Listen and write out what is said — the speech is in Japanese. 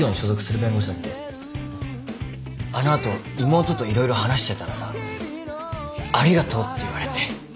うんあの後妹と色々話してたらさありがとうって言われて。